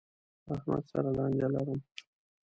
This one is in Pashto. له احمد سره لانجه لرم.